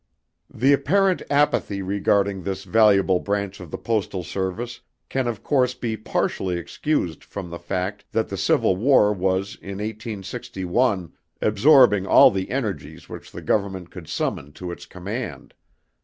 The apparent apathy regarding this valuable branch of the postal service can of course be partially excused from the fact that the Civil War was in 1861 absorbing all the energies which the Government could summon to its command.